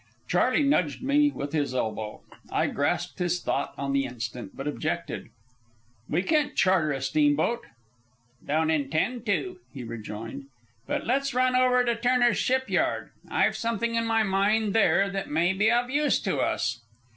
Charley nudged me with his elbow. I grasped his thought on the instant, but objected: "We can't charter a steamboat." "Don't intend to," he rejoined. "But let's run over to Turner's Shipyard. I've something in my mind there that may be of use to us."